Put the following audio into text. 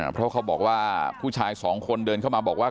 เพราะเขาบอกว่าผู้ชายสองคนเดินเข้ามาบอกว่า